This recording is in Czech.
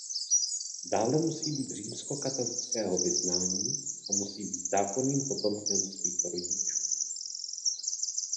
Dále musí být římskokatolického vyznání a musí být zákonným potomkem svých rodičů.